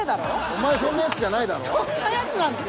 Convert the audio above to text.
お前そんなやつじゃないだろ？